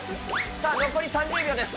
さあ、残り３０秒です。